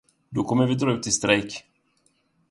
Då kommer vi dra ut i strejk.